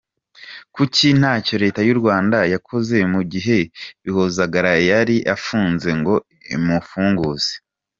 Kuki ntacyo Leta y’u Rwanda yakoze mu gihe Bihozagara yari afunze ngo imufunguze?